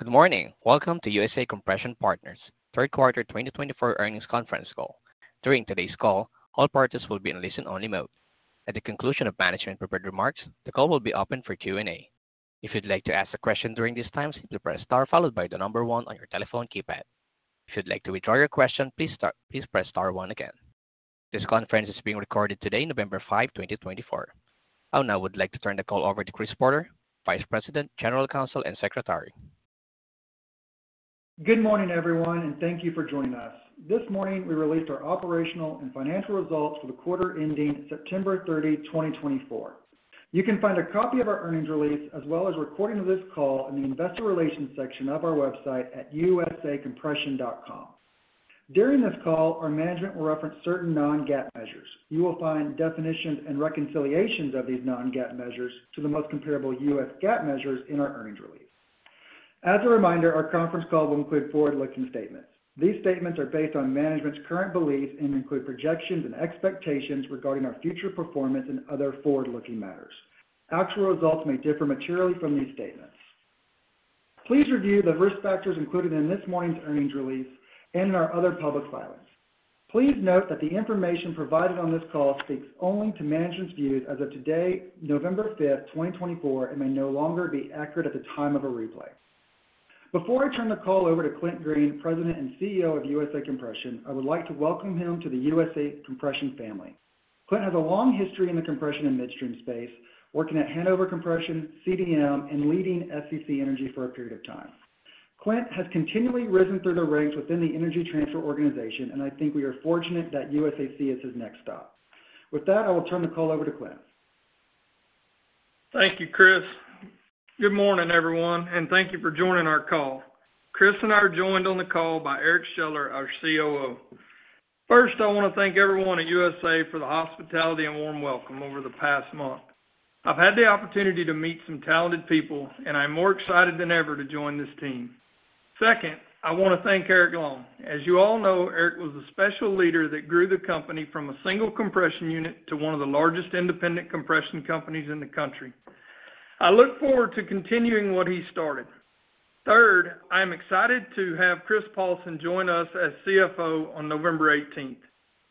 Good morning. Welcome to USA Compression Partners, Third Quarter 2024 Earnings Conference Call. During today's call, all parties will be in listen-only mode. At the conclusion of management's prepared remarks, the call will be open for Q&A. If you'd like to ask a question during this time, simply press star followed by the number one on your telephone keypad. If you'd like to withdraw your question, please press star one again. This conference is being recorded today, November 5, 2024. I would now like to turn the call over to Chris Porter, Vice President, General Counsel, and Secretary. Good morning, everyone, and thank you for joining us. This morning, we released our operational and financial results for the quarter ending September 30, 2024. You can find a copy of our earnings release as well as a recording of this call in the Investor Relations section of our website at usacompression.com. During this call, our management will reference certain non-GAAP measures. You will find definitions and reconciliations of these non-GAAP measures to the most comparable U.S. GAAP measures in our earnings release. As a reminder, our conference call will include forward-looking statements. These statements are based on management's current beliefs and include projections and expectations regarding our future performance and other forward-looking matters. Actual results may differ materially from these statements. Please review the risk factors included in this morning's earnings release and in our other public filings. Please note that the information provided on this call speaks only to management's views as of today, November 5, 2024, and may no longer be accurate at the time of a replay. Before I turn the call over to Clint Green, President and CEO of USA Compression, I would like to welcome him to the USA Compression family. Clint has a long history in the compression and midstream space, working at Hanover Compressor Company, CDM, and leading SEC Energy for a period of time. Clint has continually risen through the ranks within the Energy Transfer organization, and I think we are fortunate that USAC is his next stop. With that, I will turn the call over to Clint. Thank you, Chris. Good morning, everyone, and thank you for joining our call. Chris and I are joined on the call by Eric Scheller, our COO. First, I want to thank everyone at USA for the hospitality and warm welcome over the past month. I've had the opportunity to meet some talented people, and I'm more excited than ever to join this team. Second, I want to thank Eric Long. As you all know, Eric was the special leader that grew the company from a single compression unit to one of the largest independent compression companies in the country. I look forward to continuing what he started. Third, I am excited to have Chris Paulson join us as CFO on November 18th.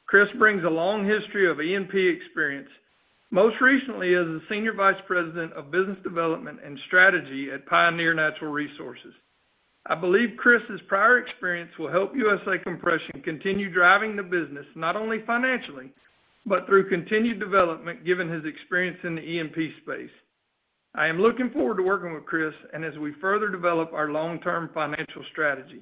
Chris brings a long history of E&P experience, most recently as the Senior Vice President of Business Development and Strategy at Pioneer Natural Resources. I believe Chris's prior experience will help USA Compression continue driving the business not only financially, but through continued development given his experience in the E&P space. I am looking forward to working with Chris and as we further develop our long-term financial strategy.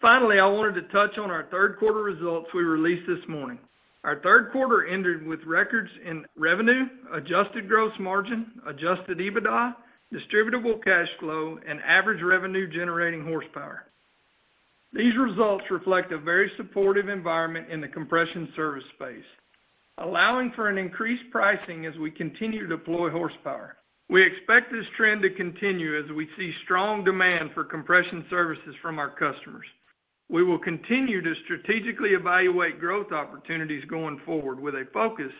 Finally, I wanted to touch on our third quarter results we released this morning. Our third quarter ended with records in revenue, Adjusted Gross Margin, Adjusted EBITDA, Distributable Cash Flow, and average revenue-generating horsepower. These results reflect a very supportive environment in the compression service space, allowing for an increased pricing as we continue to deploy horsepower. We expect this trend to continue as we see strong demand for compression services from our customers. We will continue to strategically evaluate growth opportunities going forward with a focus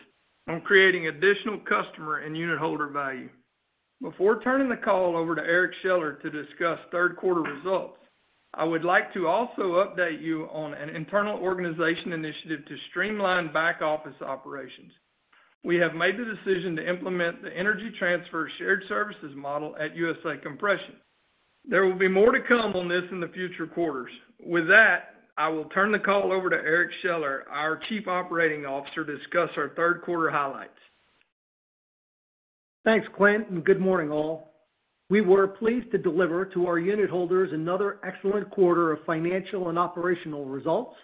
on creating additional customer and unitholder value. Before turning the call over to Eric Scheller to discuss third quarter results, I would like to also update you on an internal organization initiative to streamline back office operations. We have made the decision to implement the Energy Transfer Shared Services Model at USA Compression. There will be more to come on this in the future quarters. With that, I will turn the call over to Eric Scheller, our Chief Operating Officer, to discuss our third quarter highlights. Thanks, Clint, and good morning, all. We were pleased to deliver to our unit holders another excellent quarter of financial and operational results.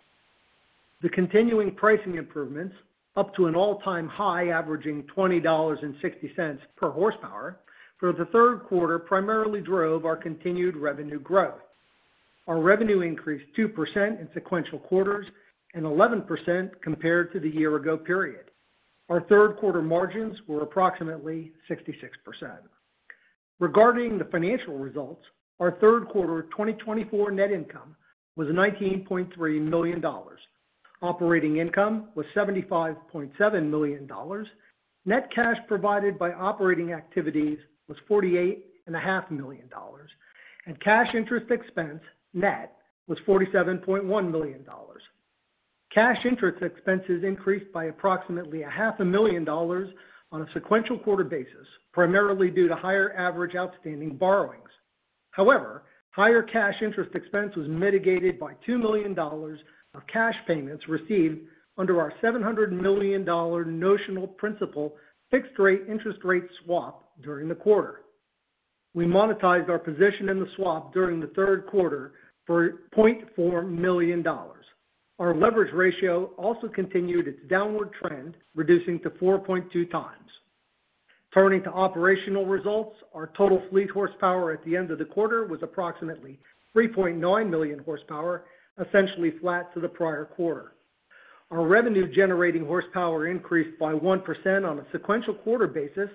The continuing pricing improvements up to an all-time high averaging $20.60 per horsepower for the third quarter primarily drove our continued revenue growth. Our revenue increased 2% in sequential quarters and 11% compared to the year-ago period. Our third quarter margins were approximately 66%. Regarding the financial results, our third quarter 2024 net income was $19.3 million. Operating income was $75.7 million. Net cash provided by operating activities was $48.5 million, and cash interest expense net was $47.1 million. Cash interest expenses increased by approximately $500,000 on a sequential quarter basis, primarily due to higher average outstanding borrowings. However, higher cash interest expense was mitigated by $2 million of cash payments received under our $700 million notional principal fixed-rate interest rate swap during the quarter. We monetized our position in the swap during the third quarter for $0.4 million. Our leverage ratio also continued its downward trend, reducing to 4.2 times. Turning to operational results, our total fleet horsepower at the end of the quarter was approximately 3.9 million horsepower, essentially flat to the prior quarter. Our revenue-generating horsepower increased by 1% on a sequential quarter basis,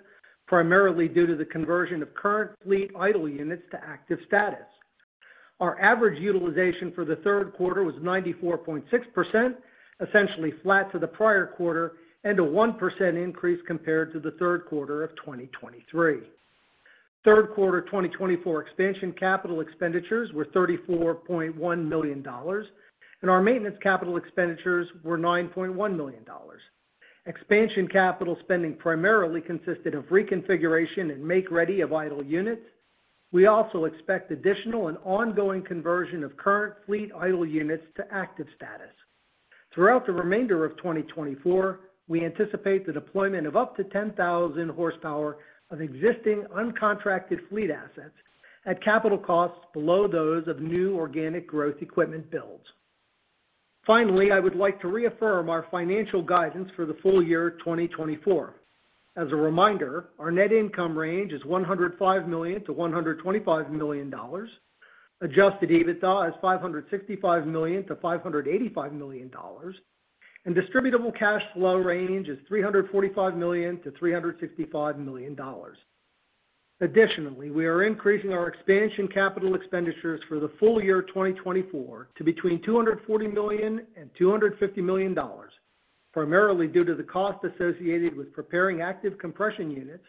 primarily due to the conversion of current fleet idle units to active status. Our average utilization for the third quarter was 94.6%, essentially flat to the prior quarter and a 1% increase compared to the third quarter of 2023. Third quarter 2024 expansion capital expenditures were $34.1 million, and our maintenance capital expenditures were $9.1 million. Expansion capital spending primarily consisted of reconfiguration and make-ready of idle units. We also expect additional and ongoing conversion of current fleet idle units to active status. Throughout the remainder of 2024, we anticipate the deployment of up to 10,000 horsepower of existing uncontracted fleet assets at capital costs below those of new organic growth equipment builds. Finally, I would like to reaffirm our financial guidance for the full year 2024. As a reminder, our net income range is $105 million-$125 million, Adjusted EBITDA is $565 million-$585 million, and Distributable Cash Flow range is $345 million-$365 million. Additionally, we are increasing our Expansion Capital Expenditures for the full year 2024 to between $240 million and $250 million, primarily due to the cost associated with preparing active compression units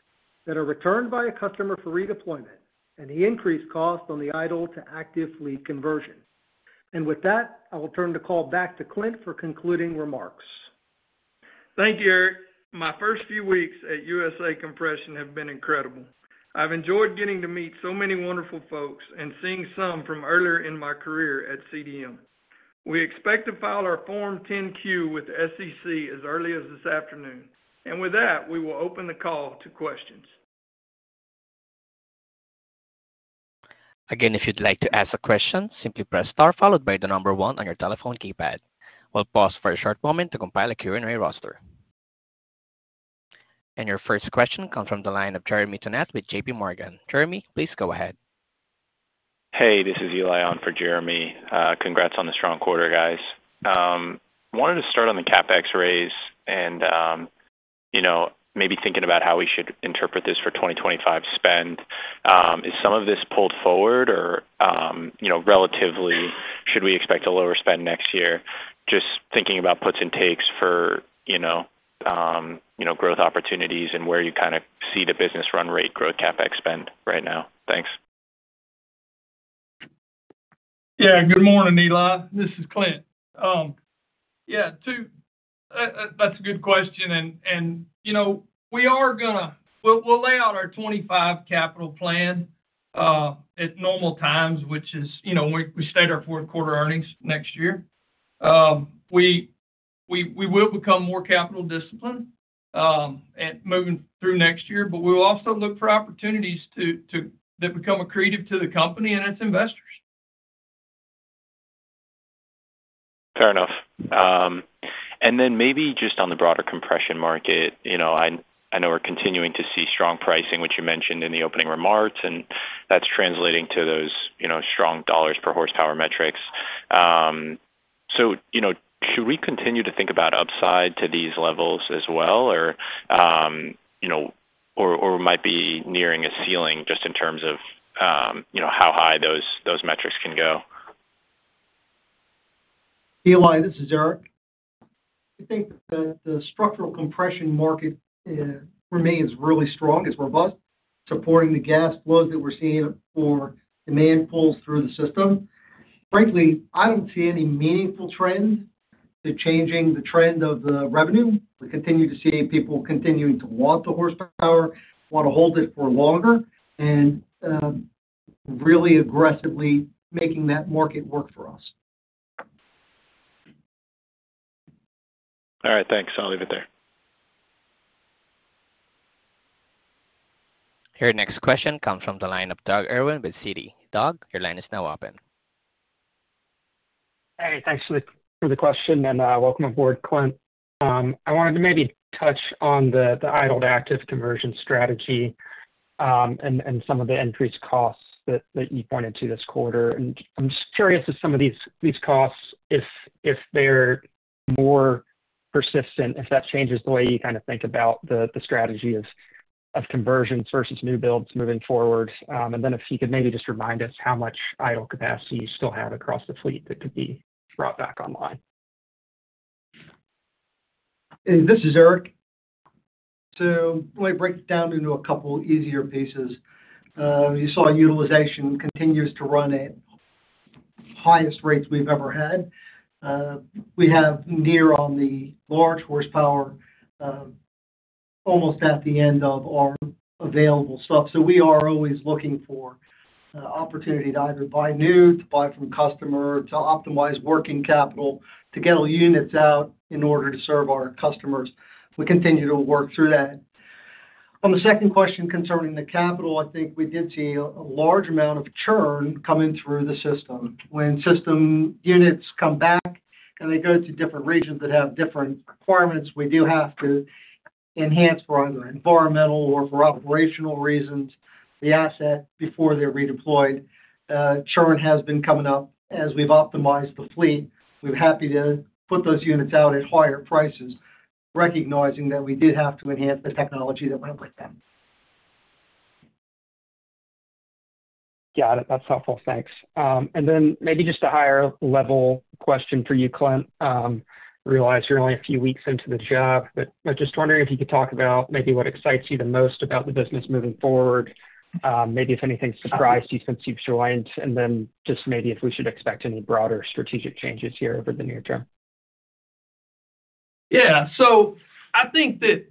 that are returned by a customer for redeployment and the increased cost on the idle-to-active fleet conversion. And with that, I will turn the call back to Clint for concluding remarks. Thank you, Eric. My first few weeks at USA Compression have been incredible. I've enjoyed getting to meet so many wonderful folks and seeing some from earlier in my career at CDM. We expect to file our Form 10-Q with SEC as early as this afternoon, and with that, we will open the call to questions. Again, if you'd like to ask a question, simply press star followed by the number one on your telephone keypad. We'll pause for a short moment to compile a Q&A roster. And your first question comes from the line of Jeremy Tonet with J.P. Morgan. Jeremy, please go ahead. Hey, this is Eli on for Jeremy. Congrats on the strong quarter, guys. I wanted to start on the CapEx raise and, you know, maybe thinking about how we should interpret this for 2025 spend. Is some of this pulled forward or, you know, relatively should we expect a lower spend next year? Just thinking about puts and takes for, you know, growth opportunities and where you kind of see the business run rate growth CapEx spend right now. Thanks. Yeah, good morning, Eli. This is Clint. Yeah, that's a good question, and you know, we are going to, we'll lay out our 2025 capital plan at normal times, which is, you know, we state our fourth quarter earnings next year. We will become more capital disciplined moving through next year, but we will also look for opportunities that become accretive to the company and its investors. Fair enough. And then maybe just on the broader compression market, you know, I know we're continuing to see strong pricing, which you mentioned in the opening remarks, and that's translating to those, you know, strong dollars per horsepower metrics. So, you know, should we continue to think about upside to these levels as well, or, you know, or might be nearing a ceiling just in terms of, you know, how high those metrics can go? Eli, this is Eric. I think that the structural compression market remains really strong. It's robust, supporting the gas flows that we're seeing for demand pulls through the system. Frankly, I don't see any meaningful trends to changing the trend of the revenue. We continue to see people continuing to want the horsepower, want to hold it for longer, and really aggressively making that market work for us. All right, thanks. I'll leave it there. Your next question comes from the line of Doug Irwin with Citi. Doug, your line is now open. Hey, thanks for the question and welcome aboard, Clint. I wanted to maybe touch on the idle-to-active conversion strategy and some of the increased costs that you pointed to this quarter. And I'm just curious if some of these costs, if they're more persistent, if that changes the way you kind of think about the strategy of conversions versus new builds moving forward. And then if you could maybe just remind us how much idle capacity you still have across the fleet that could be brought back online. Hey, this is Eric. So let me break it down into a couple easier pieces. You saw utilization continues to run at the highest rates we've ever had. We have near on the large horsepower, almost at the end of our available stuff. So we are always looking for opportunity to either buy new, to buy from customer, to optimize working capital, to get units out in order to serve our customers. We continue to work through that. On the second question concerning the capital, I think we did see a large amount of churn coming through the system. When system units come back and they go to different regions that have different requirements, we do have to enhance for either environmental or for operational reasons the asset before they're redeployed. Churn has been coming up as we've optimized the fleet. We're happy to put those units out at higher prices, recognizing that we did have to enhance the technology that went with them. Got it. That's helpful. Thanks. And then maybe just a higher-level question for you, Clint. I realize you're only a few weeks into the job, but just wondering if you could talk about maybe what excites you the most about the business moving forward, maybe if anything surprised you since you've joined, and then just maybe if we should expect any broader strategic changes here over the near term? Yeah, so I think that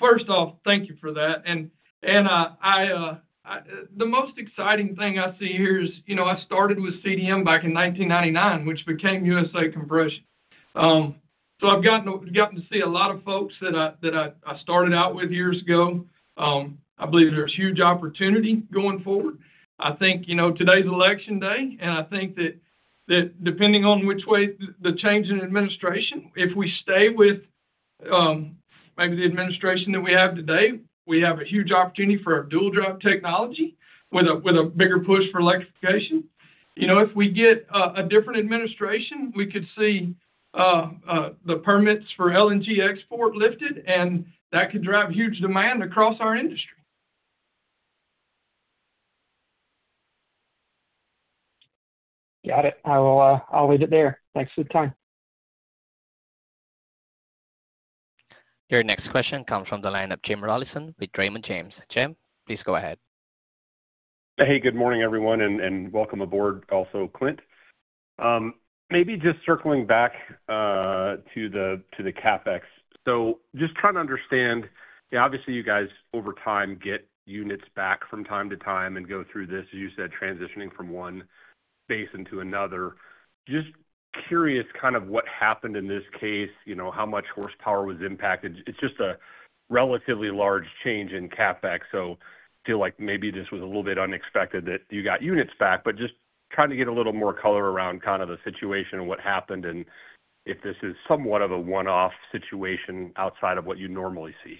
first off, thank you for that, and the most exciting thing I see here is, you know, I started with CDM back in 1999, which became USA Compression. So I've gotten to see a lot of folks that I started out with years ago. I believe there's huge opportunity going forward. I think, you know, today's election day, and I think that depending on which way the change in administration, if we stay with maybe the administration that we have today, we have a huge opportunity for our Dual Drive technology with a bigger push for electrification. You know, if we get a different administration, we could see the permits for LNG export lifted, and that could drive huge demand across our industry. Got it. I'll leave it there. Thanks for the time. Your next question comes from the line of Jim Rollyson with Raymond James. Jim, please go ahead. Hey, good morning, everyone, and welcome aboard, also Clint. Maybe just circling back to the CapEx. So just trying to understand, obviously, you guys over time get units back from time to time and go through this, as you said, transitioning from one base into another. Just curious kind of what happened in this case, you know, how much horsepower was impacted. It's just a relatively large change in CapEx. So I feel like maybe this was a little bit unexpected that you got units back, but just trying to get a little more color around kind of the situation and what happened and if this is somewhat of a one-off situation outside of what you normally see.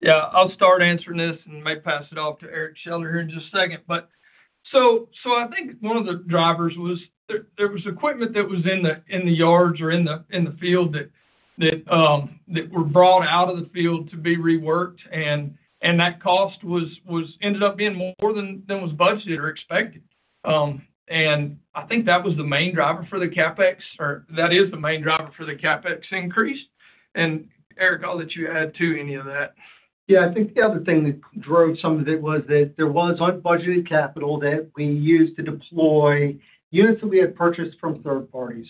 Yeah, I'll start answering this and may pass it off to Eric Scheller here in just a second. But so I think one of the drivers was there was equipment that was in the yards or in the field that were brought out of the field to be reworked, and that cost ended up being more than was budgeted or expected. And I think that was the main driver for the CapEx, or that is the main driver for the CapEx increase. And Eric, I'll let you add to any of that. Yeah, I think the other thing that drove some of it was that there was unbudgeted capital that we used to deploy units that we had purchased from third parties.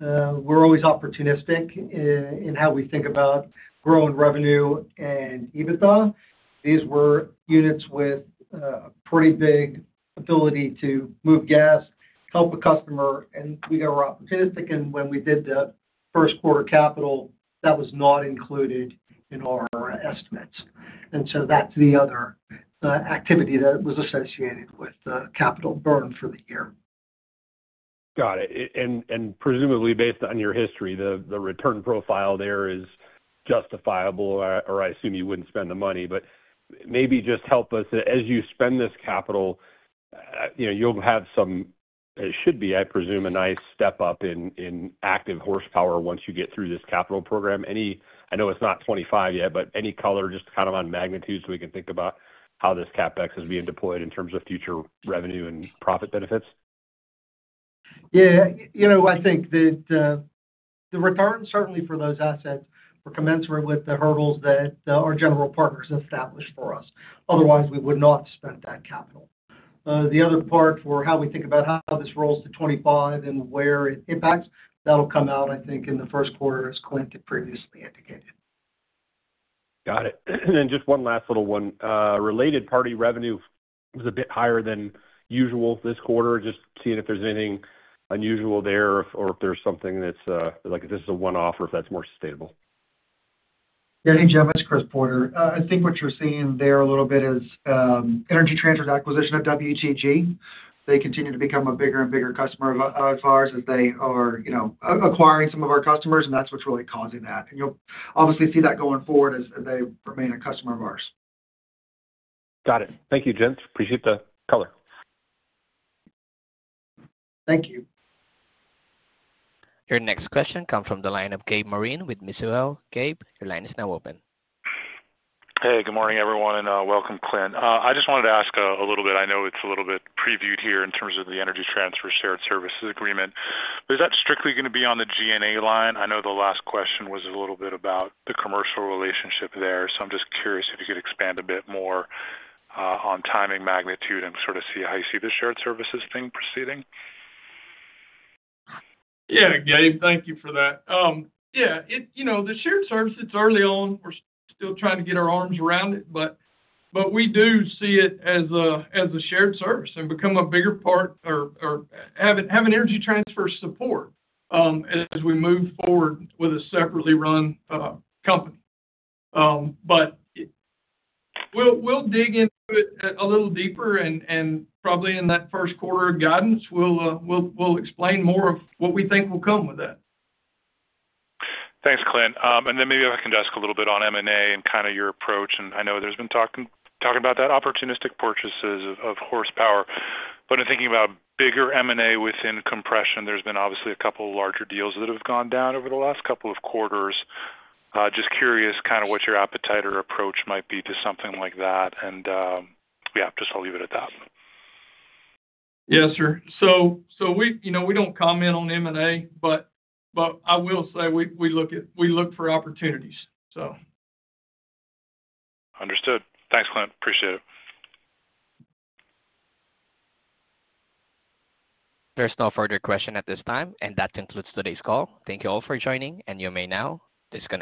We're always opportunistic in how we think about growing revenue and EBITDA. These were units with a pretty big ability to move gas, help a customer, and we were opportunistic. And when we did the first quarter capital, that was not included in our estimates. And so that's the other activity that was associated with the capital burn for the year. Got it. And presumably based on your history, the return profile there is justifiable, or I assume you wouldn't spend the money. But maybe just help us, as you spend this capital, you know, you'll have some, it should be, I presume, a nice step up in active horsepower once you get through this capital program. I know it's not 2025 yet, but any color just kind of on magnitude so we can think about how this CapEx is being deployed in terms of future revenue and profit benefits. Yeah, you know, I think that the return certainly for those assets were commensurate with the hurdles that our general partners established for us. Otherwise, we would not have spent that capital. The other part for how we think about how this rolls to 2025 and where it impacts, that'll come out, I think, in the first quarter, as Clint previously indicated. Got it. And then just one last little one. Related party revenue was a bit higher than usual this quarter. Just seeing if there's anything unusual there or if there's something that's like if this is a one-off or if that's more sustainable. Yeah, hey, Jeff, it's Chris Porter. I think what you're seeing there a little bit is Energy Transfer acquisition of WTG. They continue to become a bigger and bigger customer of ours as they are, you know, acquiring some of our customers, and that's what's really causing that. You'll obviously see that going forward as they remain a customer of ours. Got it. Thank you, Jim. Appreciate the color. Thank you. Your next question comes from the line of Gabe Moreen with Mizuho. Gabe, your line is now open. Hey, good morning, everyone, and welcome, Clint. I just wanted to ask a little bit. I know it's a little bit previewed here in terms of the Energy Transfer shared services agreement. Is that strictly going to be on the G&A line? I know the last question was a little bit about the commercial relationship there. So I'm just curious if you could expand a bit more on timing, magnitude, and sort of see how you see the shared services thing proceeding. Yeah, Gabe, thank you for that. Yeah, you know, the shared service, it's early on. We're still trying to get our arms around it, but we do see it as a shared service and become a bigger part or have an Energy Transfer support as we move forward with a separately run company. But we'll dig into it a little deeper, and probably in that first quarter of guidance, we'll explain more of what we think will come with that. Thanks, Clint. And then maybe if I can just ask a little bit on M&A and kind of your approach. And I know there's been talking about that opportunistic purchases of horsepower. But in thinking about bigger M&A within compression, there's been obviously a couple of larger deals that have gone down over the last couple of quarters. Just curious kind of what your appetite or approach might be to something like that. And yeah, just I'll leave it at that. Yeah, sir. So we, you know, we don't comment on M&A, but I will say we look for opportunities, so. Understood. Thanks, Clint. Appreciate it. There's no further question at this time, and that concludes today's call. Thank you all for joining, and you may now disconnect.